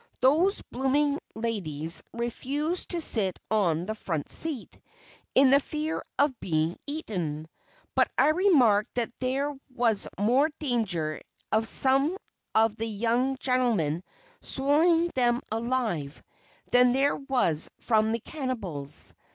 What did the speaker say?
These blooming young ladies refused to sit on the front seat, in the fear of being eaten; but I remarked that there was more danger of some of the young gentlemen swallowing them alive, than there was from the cannibals.